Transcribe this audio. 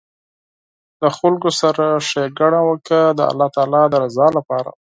د خلکو سره ښیګڼه وکړه د الله تعالي د رضا لپاره